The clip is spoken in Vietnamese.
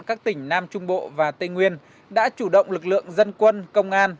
các tỉnh nam trung bộ và tây nguyên đã chủ động lực lượng dân quân công an